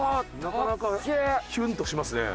なかなかヒュンとしますね。